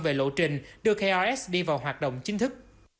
về lộ trình đưa krs đi vào hoạt động chính thức